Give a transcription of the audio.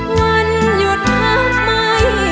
วันหยุดครอบไม่มี